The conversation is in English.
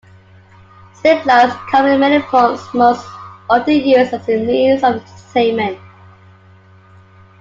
Zip-lines come in many forms, most often used as a means of entertainment.